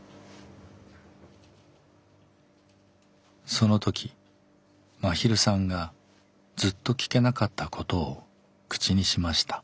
その時まひるさんがずっと聞けなかったことを口にしました。